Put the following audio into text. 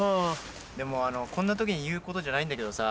でもこんな時に言うことじゃないんだけどさ